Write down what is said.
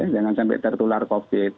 jangan sampai tertular covid